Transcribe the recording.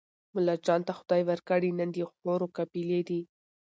ملاجان ته خدای ورکړي نن د حورو قافلې دي